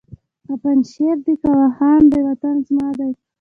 که پنجشېر دی که واخان دی وطن زما دی